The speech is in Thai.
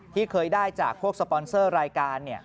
ที่เคยได้จากพวกสปอนเซอร์รายการ